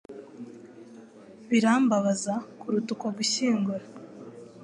birambabaza kuruta uko gushyingura